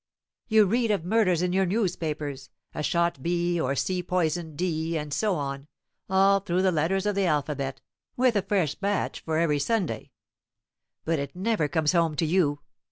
You read of murders in your newspapers. A shot B, or C poisoned D, and so on, all through the letters of the alphabet, with a fresh batch for every Sunday; but it never comes home to you.